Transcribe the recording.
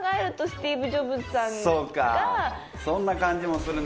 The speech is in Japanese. そんな感じもするね。